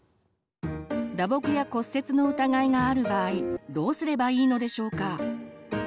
打撲や骨折の疑いがある場合どうすればいいのでしょうか？